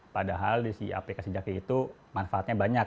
padahal di si aplikasi jaki itu manfaatnya banyak